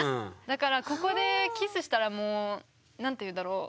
だからここでキスしたらもう何て言うんだろう